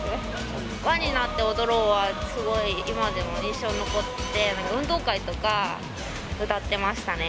ＷＡになっておどろうは、すごい、今でも印象残って、運動会とか歌ってましたね。